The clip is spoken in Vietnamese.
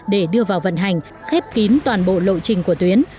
để đưa vào vận hành khép kín toàn bộ lộ trình của tuyến